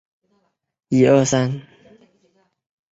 类短肋黄耆是豆科黄芪属的植物。